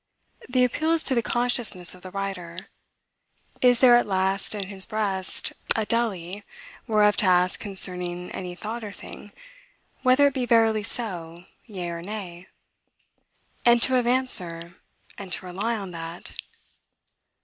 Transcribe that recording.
The appeal is to the consciousness of the writer. Is there at last in his breast a Delhi whereof to ask concerning any thought or thing, whether it be verily so, yea or nay? and to have answer, and to rely on that?